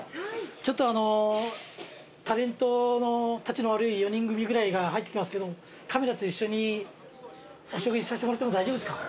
ちょっとあのタレントのたちの悪い４人組ぐらいが入ってきますけどカメラと一緒にお食事させてもらっても大丈夫ですか？